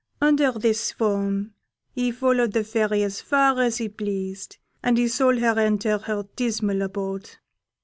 Under this form he followed the Fairy as far as he pleased, and he saw her enter her dismal abode.